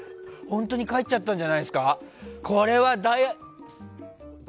本当に帰っちゃったんじゃないですか。